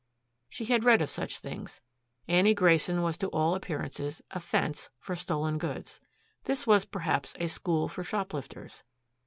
She had read of such things. Annie Grayson was to all appearances a "fence" for stolen goods. This was, perhaps, a school for shoplifters.